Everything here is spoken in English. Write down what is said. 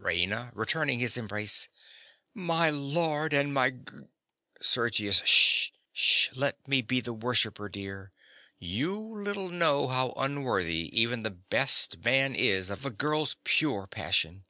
_) RAINA. (returning his embrace). My lord and my g— SERGIUS. Sh—sh! Let me be the worshipper, dear. You little know how unworthy even the best man is of a girl's pure passion!